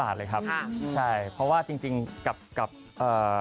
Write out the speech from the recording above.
หันไปจบแล้วก็มาจูบทางนี้